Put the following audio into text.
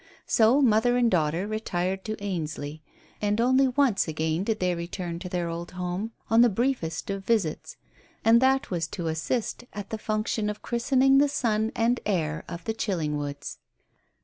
So mother and daughter retired to Ainsley, and only once again did they return to their old home on the briefest of visits, and that was to assist at the function of christening the son and heir of the Chillingwoods.